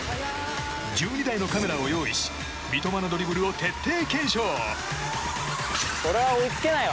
１２台のカメラを用意し三笘のドリブルを徹底検証！